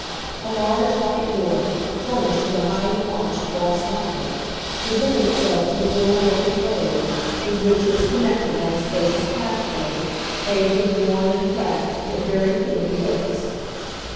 A large white door, furnished with a highly polished brass knocker, presented itself to the rural looking road, with which it was connected by a spacious pathway, paved with worn and cracked, but very clean, bricks.